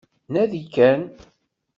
Nadi kan